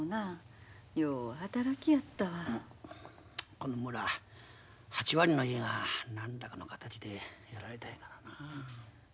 この村８割の家が何らかの形でやられたんやからな。